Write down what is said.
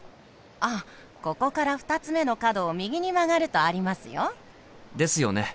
あここから２つ目の角を右に曲がるとありますよ。ですよね。